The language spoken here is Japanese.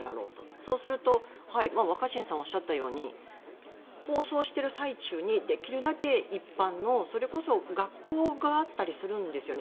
そうすると若新さんがおっしゃったように抗争している最中にできるだけ一般のそれこそ学校があったりするんですよね。